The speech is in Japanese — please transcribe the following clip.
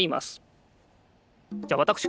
じゃあわたくし